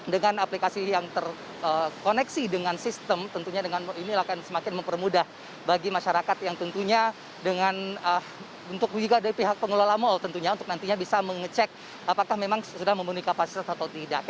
dengan aplikasi yang terkoneksi dengan sistem tentunya dengan ini akan semakin mempermudah bagi masyarakat yang tentunya dengan juga dari pihak pengelola mal tentunya untuk nantinya bisa mengecek apakah memang sudah memenuhi kapasitas atau tidak